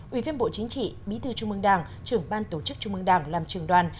ủy viên bộ chính trị bí thư trung mương đảng trưởng ban tổ chức trung mương đảng làm trường đoàn